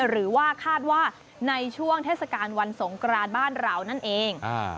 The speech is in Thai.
หรือว่าคาดว่าในช่วงเทศกาลวันสงกรานบ้านเรานั่นเอง